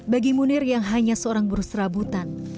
bagi munir yang hanya seorang burus rabutan